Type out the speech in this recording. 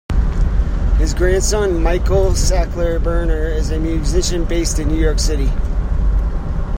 His grandson, Michael Sackler-Berner, is a musician based in New York City.